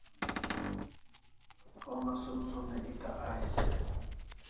Homa som sonai eta ais